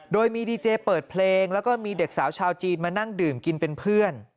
โดยมีดีเจเปิดเพลงแล้วก็มีเด็กสาวชาวจีนมานั่งดื่มกินเป็นเพื่อน